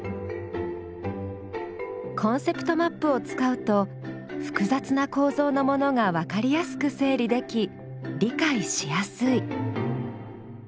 コンセプトマップを使うと複雑な構造のものがわかりやすく整理でき理解しやすい。